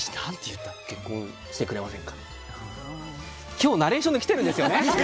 今日、ナレーションで来てるんですよね。